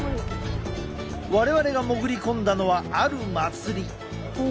我々が潜り込んだのはある祭り。